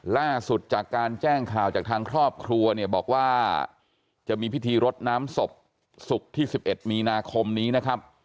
ล่าสุดจากการแจ้งข่าวจากทางครอบครัวเนี่ยบอกว่าจะมีพิธีรดน้ำศพศุกร์ที่๑๑มีนาคมนี้นะครับ